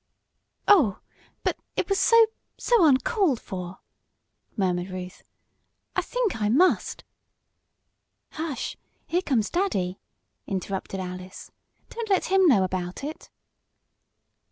"Oh, but it was so so uncalled for!" murmured Ruth. "I think I must " "Hush! Here comes daddy!" interrupted Alice. "Don't let him know about it."